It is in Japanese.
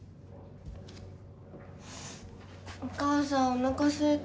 お母さんおなかすいた。